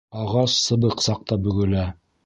Ағас сыбыҡ саҡта бөгөлә.